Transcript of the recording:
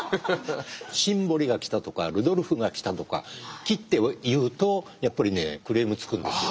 「シンボリが来た」とか「ルドルフが来た」とか切って言うとやっぱりねクレームつくんですよ。